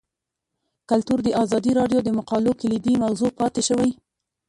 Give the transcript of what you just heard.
کلتور د ازادي راډیو د مقالو کلیدي موضوع پاتې شوی.